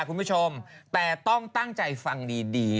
คุณผู้ชมแต่ต้องตั้งใจฟังดี